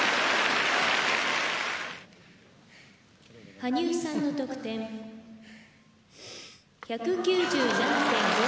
「羽生さんの得点１９７．５８」。